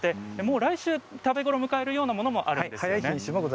来週食べ頃を迎えるようなものもあるんですよね。